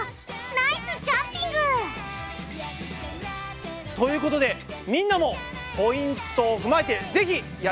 ナイスジャンピング！ということでみんなもポイントを踏まえてぜひやってみてね！